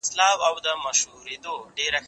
امادګي د ښوونکي له خوا منظم کيږي!.